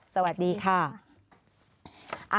สวัสดีค่ะ